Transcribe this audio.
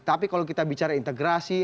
tapi kalau kita bicara integrasi